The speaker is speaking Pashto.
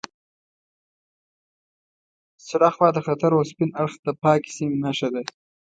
سره خوا د خطر او سپین اړخ د پاکې سیمې نښه ده.